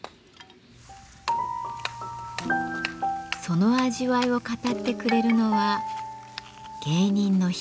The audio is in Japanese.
その味わいを語ってくれるのは芸人のヒロシさん。